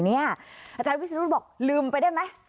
อาจารย์วิศนุบอกลืมไปได้ไหม